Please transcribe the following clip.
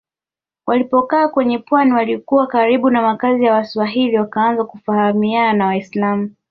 Walipokaa kwenye pwani walikuwa karibu na makazi ya Waswahili wakaanza kufahamiana na Waislamu